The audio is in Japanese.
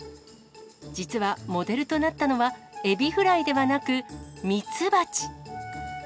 実は、モデルとなったのは、エビフライではなく、蜜蜂。